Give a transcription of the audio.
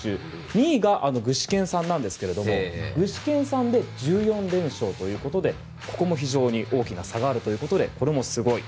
２位が具志堅さんなんですが具志堅さんで１４連勝ということでここも非常に大きな差があるということでこれもすごい。